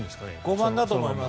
５番だと思います。